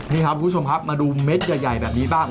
นี่ครับคุณผู้ชมครับมาดูเม็ดใหญ่แบบนี้บ้าง